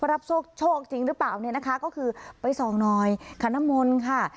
รับโชคโชคจริงหรือเปล่าเนี่ยนะคะก็คือไปส่องหน่อยขนมนต์ค่ะ